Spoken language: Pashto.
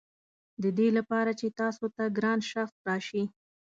ددې لپاره چې تاسو ته ګران شخص راشي.